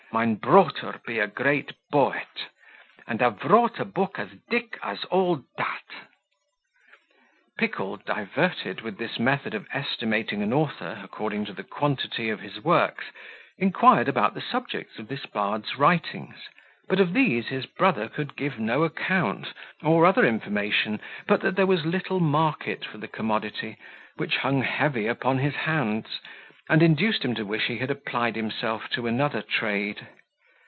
Mine brotre be a great boet, and ave vrought a book as dick as all dat." Pickle, diverted with this method of estimating an author according to the quantity of his works, inquired about the subjects of this bard's writings; but of these his brother could give no account, or other information, but that there was little market for the commodity, which hung heavy upon his hands, and induced him to wish he had applied himself to another trade.